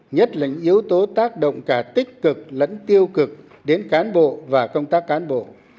nhất là những yếu tố tác động cả tích cực lẫn tiêu cực đến cán bộ và công tác cán bộ